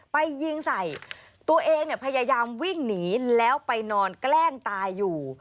ไปยิงใส่ตัวเองเนี่ยพยายามวิ่งหนีแล้วไปนอนแกล้งตายอยู่